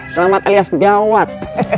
selamat alias gawat